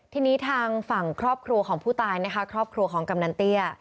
ทีนี้ทางฝั่งครอบครัวของผู้ตายนะคะครอบครัวของกำนันเตี้ย